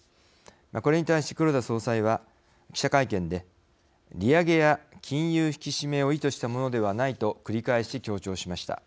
これに対し黒田総裁は記者会見で「利上げや金融引き締めを意図したものではない」と繰り返し強調しました。